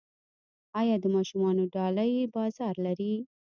آیا د ماشومانو ډالۍ بازار لري؟